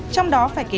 chẳng có gì cả